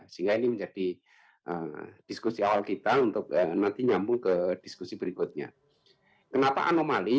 sehingga ini menjadi diskusi awal kita untuk nanti nyambung ke diskusi berikutnya kenapa anomali